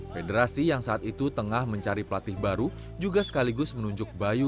federasi yang saat itu tengah mencari pelatih baru juga sekaligus menunjuk bayu